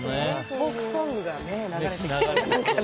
フォークソングが流れてきそうですね。